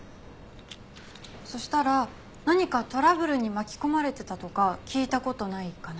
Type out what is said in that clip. そしたら何かトラブルに巻き込まれてたとか聞いた事ないかな？